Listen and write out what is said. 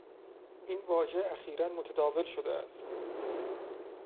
این واژه اخیرا متداول شده است.